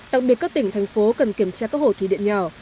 đặc biệt các tỉnh thành phố cần kiểm tra các hồ thủy điện nhỏ